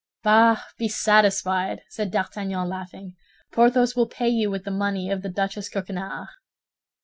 "Bah! Be satisfied," said D'Artagnan, laughing, "Porthos will pay you with the money of the Duchess Coquenard."